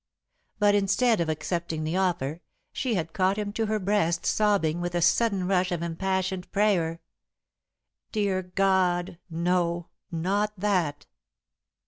But, instead of accepting the offer, she had caught him to her breast, sobbing, with a sudden rush of impassioned prayer: "Dear God, no not that!"